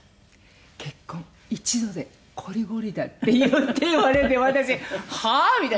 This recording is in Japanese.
「結婚一度でこりごりだ」って言って言われて私「はあ？」みたいな。